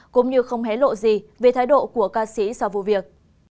cũng như không hé lộ gì về thái độ của ca sĩ sau vụ việc